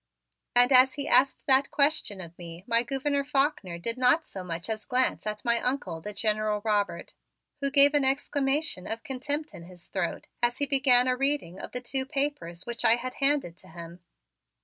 And as he asked that question of me my Gouverneur Faulkner did not so much as glance at my Uncle, the General Robert, who gave an exclamation of contempt in his throat as he began a reading of the two papers which I had handed to him.